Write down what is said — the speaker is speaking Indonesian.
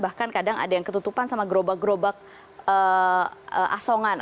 bahkan kadang ada yang ketutupan sama gerobak gerobak asongan